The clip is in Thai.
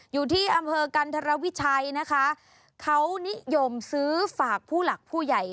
อยู่ที่อำเภอกันธรวิชัยนะคะเขานิยมซื้อฝากผู้หลักผู้ใหญ่